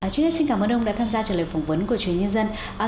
chính xin cảm ơn ông đã tham gia trả lời phỏng vấn của truyền hình nhân dân